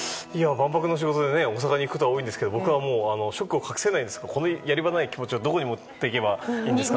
万博の仕事で大阪に行くことが多いんですがショックが大きすぎてこのやり場のない気持ちをどこに持っていけばいいんですか。